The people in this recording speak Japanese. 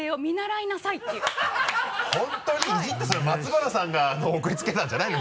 イジってそれ松原さんが送りつけたんじゃないの？